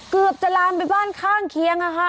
เกือบจะลามไปบ้านข้างเคียง